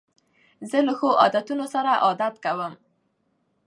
زه له ښو عادتو سره عادت کوم.